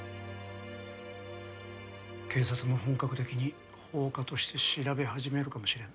警察も本格的に放火として調べ始めるかもしれんな。